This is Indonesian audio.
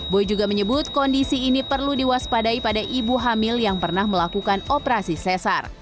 boy juga menyebut kondisi ini perlu diwaspadai pada ibu hamil yang pernah melakukan operasi cesar